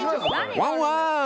ワンワーン！